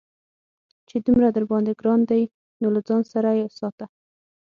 چې دومره درباندې گران دى نو له ځان سره يې ساته.